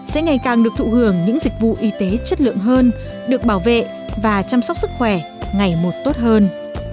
sẽ ngày càng được thụ hưởng những dịch vụ y tế chất lượng hơn được bảo vệ và chăm sóc sức khỏe ngày một tốt hơn